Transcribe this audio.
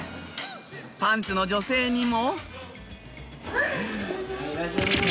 パンツの女性にも。